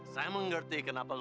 saya mengerti kenapa laura